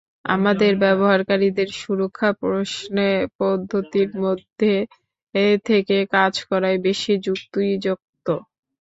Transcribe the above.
আমাদের ব্যবহারকারীদের সুরক্ষা প্রশ্নে পদ্ধতির মধ্যে থেকে কাজ করাই বেশি যুক্তিযুক্ত।